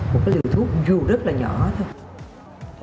một liều thuốc dù rất là nhỏ thôi